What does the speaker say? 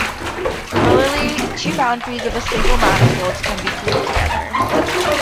Similarly, two boundaries of a single manifold can be glued together.